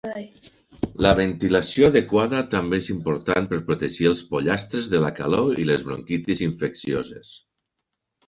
La ventilació adequada també és important per protegir els pollastres de la calor i les bronquitis infeccioses.